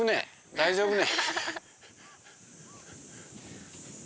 大丈夫ね？